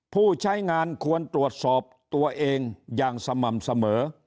ผู้ใช้งานควรตรวจสอบตัวเองอย่างสม่ำเสมอ